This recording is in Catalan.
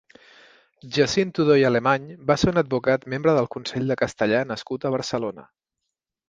Jacint Tudó i Alemany va ser un advocat membre del Consell de Castellà nascut a Barcelona.